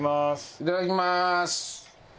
いただきます。